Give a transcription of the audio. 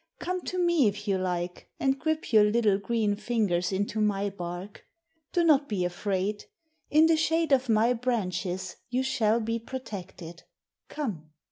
Come to me if you like, and grip your little green fingers into my bark. Do not be afraid. In the shade of my branches you shall be protected. Come."